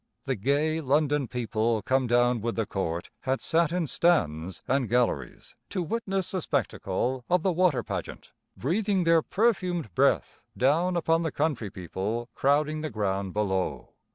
The gay London people come down with the court had sat in stands and galleries to witness the spectacle of the water pageant, breathing their perfumed breath down upon the country people crowding the ground below.